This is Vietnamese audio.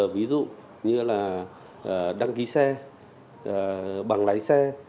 ví dụ như là đăng ký xe bằng lái xe